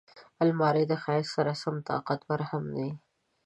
الماري د ښایست سره سم طاقتور هم وي